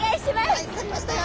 はいとりましたよ。